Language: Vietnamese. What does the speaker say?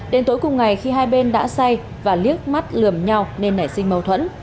đến tối cùng ngày khi hai bên đã say và liếc mắt lườm nhau nên nảy sinh mâu thuẫn